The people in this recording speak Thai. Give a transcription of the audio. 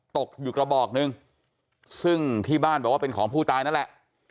ตกอยู่กระบอกหนึ่งซึ่งที่บ้านบอกว่าเป็นของผู้ตายนั่นแหละ